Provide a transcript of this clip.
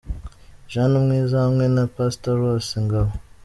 Jeannine Umwiza hamwe na Pastor Rose Ngabo.